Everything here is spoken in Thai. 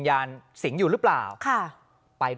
ไม่ไป